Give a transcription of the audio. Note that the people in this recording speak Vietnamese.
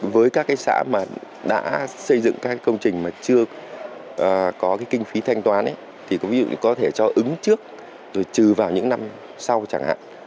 với các xã mà đã xây dựng các công trình mà chưa có kinh phí thanh toán thì ví dụ có thể cho ứng trước rồi trừ vào những năm sau chẳng hạn